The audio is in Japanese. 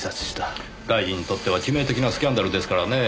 大臣にとっては致命的なスキャンダルですからねぇ。